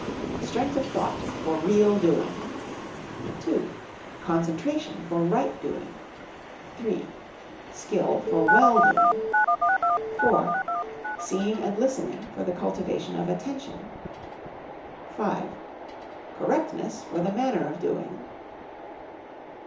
Strength of thought for Real doing. II. Concentration for Right doing. III. Skill for Well doing. IV. Seeing and listening for the cultivation of Attention. V. Correctness for the Manner of doing.